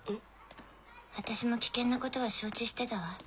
私も危険なことは承知してたわ。